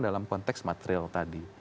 dalam konteks material tadi